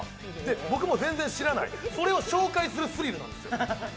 僕も全然知らない、それを紹介するスリルなんですよ。